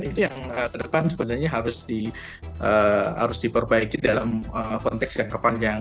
itu yang ke depan sebenarnya harus diperbaiki dalam konteks yang kepanjang